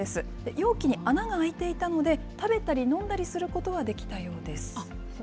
容器に穴が開いていたので、食べたり飲んだりすることはできたようです。